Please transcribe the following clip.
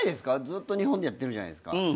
ずっと日本でやってるじゃないですか。